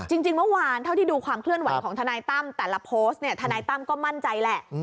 จริงเมื่อวานเท่าที่ดูความเคลื่อนไหวของทนายตั้มแต่ละโพสต์เนี่ยทนายตั้มก็มั่นใจแหละ